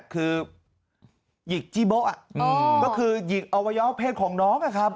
คือหยิกจี้โบ๊ะก็คือหยิกอวัยวะเพศของน้องนะครับ